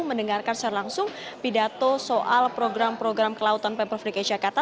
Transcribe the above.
mendengarkan secara langsung pidato soal program program kelautan pemprov dki jakarta